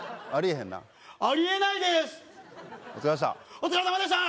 お疲れさまでした。